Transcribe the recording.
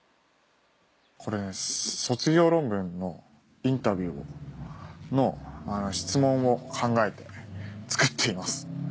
これ卒業論文のインタビューの質問を考えて作っています。